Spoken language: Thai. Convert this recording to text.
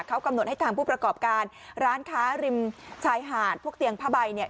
เขากำหนดให้ทางผู้ประกอบการร้านค้าริมชายหาดพวกเตียงผ้าใบเนี่ย